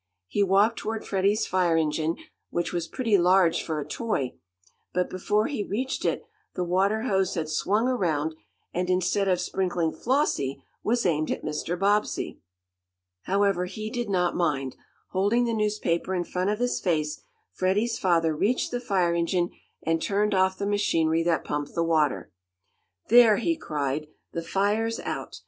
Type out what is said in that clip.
He walked toward Freddie's fire engine, which was pretty large, for a toy. But before he reached it, the water hose had swung around, and, instead of sprinkling Flossie, was aimed at Mr. Bobbsey. However he did not mind. Holding the newspaper in front of his face, Freddie's father reached the fire engine, and turned off the machinery that pumped the water. "There!" he cried. "The fire's out!